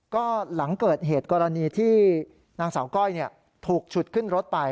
ก็หลังเกิดเหตุกรณีที่นางสาวก้อยถูกฉุดขึ้นรถไป